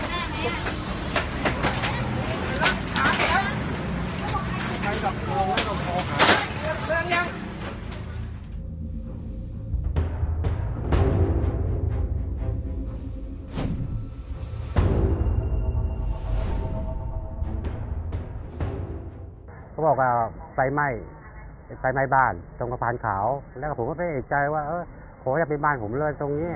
อีกอย่างเชื่อว่าสายไหม้บ้านที่พ่านเขาแล้วผมไม่เคยแอดใจว่าโหยังจะไปบ้านผมเลยตรงนี้